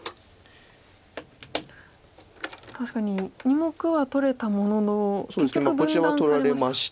確かに２目は取れたものの結局分断されました。